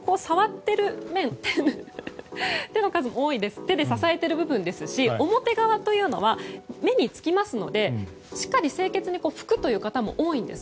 手の面積も多いですし表側というのは目につきますのでしっかり清潔に拭くという方も多いんです。